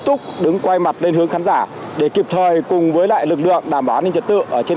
túc đứng quay mặt lên hướng khán giả để kịp thời cùng với lại lực lượng đảm bảo an ninh trật tự ở trên